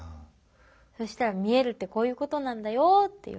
そしたら「見えるってこういうことなんだよ」って言われて。